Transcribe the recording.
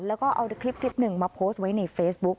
แล้วก็เอาคลิปหนึ่งมาโพสต์ไว้ในเฟซบุ๊ค